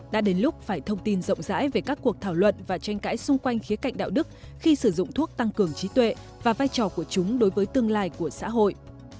đã đến lúc phải thông tin rộng rãi về các cuộc thảo luận và tranh cãi xung quanh khía cạnh đạo đức khi sử dụng thuốc tăng cường trí tuệ và vai trò của chúng đối với tương lai của xã hội